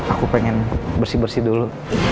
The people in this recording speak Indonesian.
aku pengen bersih bersih dulu